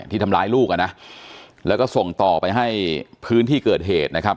ที่ทำร้ายลูกแล้วก็ส่งต่อไปให้พื้นที่เกิดเหตุ